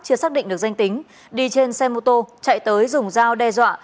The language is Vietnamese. chưa xác định được danh tính đi trên xe mô tô chạy tới dùng dao đe dọa